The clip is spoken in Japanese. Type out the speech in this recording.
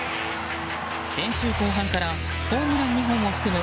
先週後半からホームラン２本を含む